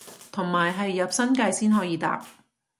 同埋係入新界先可以搭